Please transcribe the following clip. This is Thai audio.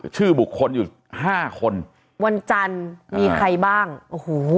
ชื่อบุคคลอยู่ห้าคนวันจันทร์มีใครบ้างโอ้โห